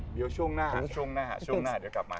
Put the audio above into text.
เดี๋ยวช่วงหน้าช่วงหน้าเดี๋ยวกลับมา